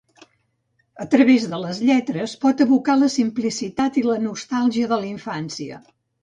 A través de les lletres, pot evocar la simplicitat i la nostàlgia de la infància.